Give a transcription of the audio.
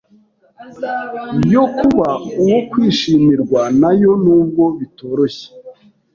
yo kuba uwo kwishimirwa na yo, nubwo bitoroshye